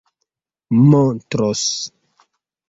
montros